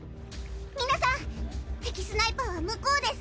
皆さん敵スナイパーは向こうです。